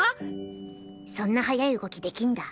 そんな速い動きできんだ。